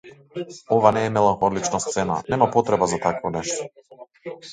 Ова не е меланхолична сцена, нема потреба за такво нешто.